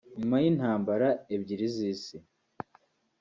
nyuma y’intambara ebyiri z’Isi